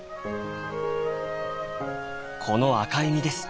この赤い実です。